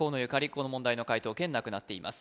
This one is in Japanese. この問題の解答権なくなっています